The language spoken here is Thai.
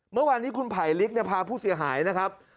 เมื่อวานที่คุณภัยลิกเนี่ยพาผู้เสียหายนะครับ